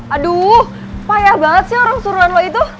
aduh payah banget sih orang suruhan lo itu